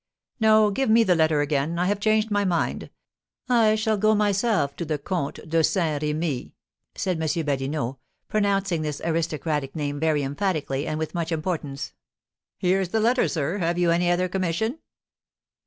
"No, give me the letter again, I have changed my mind. I shall go myself to the Comte de Saint Remy," said M. Badinot, pronouncing this aristocratic name very emphatically, and with much importance. "Here's the letter, sir; have you any other commission?"